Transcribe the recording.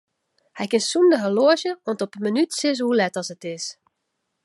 Hy kin sonder horloazje oant op 'e minút sizze hoe let as it is.